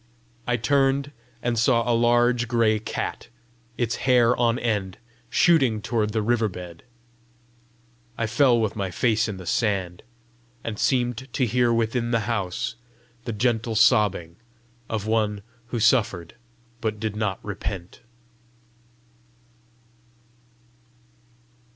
I turned, and saw a large gray cat, its hair on end, shooting toward the river bed. I fell with my face in the sand, and seemed to hear within the house the gentle sobbing of one who suffered but did not repent.